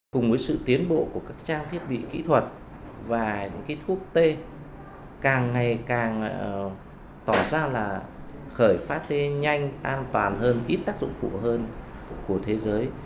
cùng với sự tiến bộ của các trang thiết bị kỹ thuật và những thuốc t càng ngày càng tỏ ra là khởi phát t nhanh an toàn hơn ít tác dụng phụ hơn của thế giới